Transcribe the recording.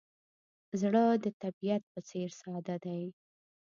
زړه د طبیعت په څېر ساده دی.